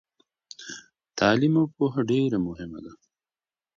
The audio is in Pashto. تعلیم او پوهه ډیره مهمه ده.